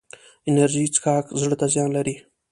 انرژي څښاک زړه ته زیان لري